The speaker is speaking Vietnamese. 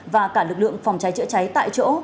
và cả lực lượng phòng cháy chữa cháy tại chỗ